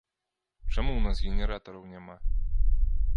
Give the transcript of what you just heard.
Чаму ў нас генератараў няма?